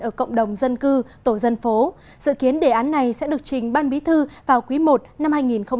ở cộng đồng dân cư tổ dân phố dự kiến đề án này sẽ được trình ban bí thư vào quý i năm hai nghìn hai mươi